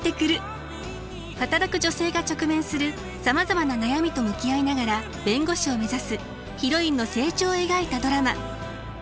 働く女性が直面するさまざまな悩みと向き合いながら弁護士を目指すヒロインの成長を描いたドラマ。